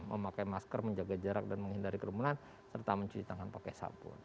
memakai masker menjaga jarak dan menghindari kerumunan serta mencuci tangan pakai sabun